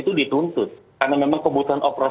itu dituntut karena memang kebutuhan operasi